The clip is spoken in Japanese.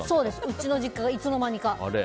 うちの実家がいつの間にか。